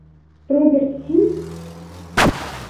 Роберт һин?